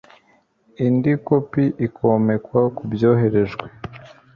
indi kopi ikomekwa kubyoherejwe